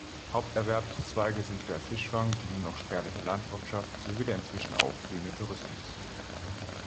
Haupterwerbszweige sind der Fischfang, die nur noch spärliche Landwirtschaft sowie der inzwischen aufblühende Tourismus.